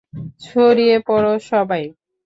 ছড়িয়ে পড়ো সবাই।